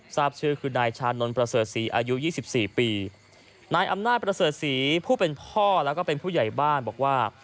ทราบชื่อคือนายชานนท์ประเสริฐศรีอายุยี่สิบสี่ปีนายอำนาจประเสริฐศรีผู้เป็นพ่อแล้วก็เป็นผู้ใหญ่บ้านบอกว่า